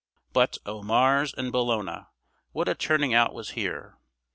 But, O Mars and Bellona! what a turning out was here!